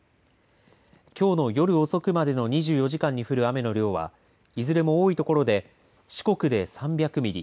きょうの夜遅くまでの２４時間に降る雨の量はいずれも多いところで四国で３００ミリ